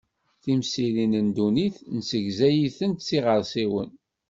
Timsirin n dunnit nessegzay-itent s yiɣersiwen.